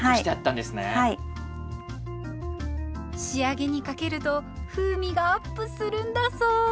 仕上げにかけると風味がアップするんだそう。